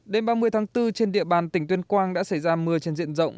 đêm ba mươi tháng bốn trên địa bàn tỉnh tuyên quang đã xảy ra mưa trên diện rộng